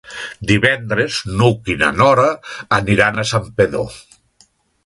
Divendres n'Hug i na Nora aniran a Santpedor.